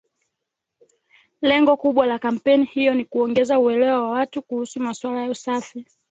Lengo kubwa la kampeni hiyo ni kuongeza uelewa wa watu kuhusu masuala ya usafi